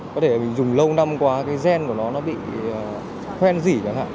có thể là mình dùng lâu năm quá cái gen của nó nó bị khen dỉ